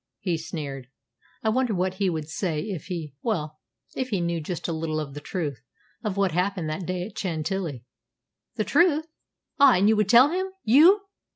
he sneered. "I wonder what he would say if he well, if he knew just a little of the truth, of what happened that day at Chantilly?" "The truth! Ah, and you would tell him you!"